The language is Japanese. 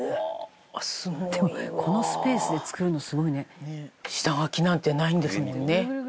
「でもこのスペースで作るのすごいね」下描きなんてないんですもんね。